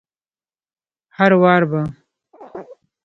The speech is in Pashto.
هروار به